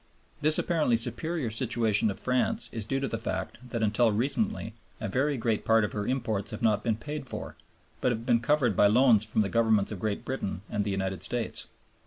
This apparently superior situation of France is due to the fact that until recently a very great part of her imports have not been paid for, but have been covered by loans from the Governments of Great Britain and the United States.